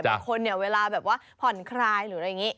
แก่คนเวลาแบบว่าผ่อนคลายหรือไรเงี้ย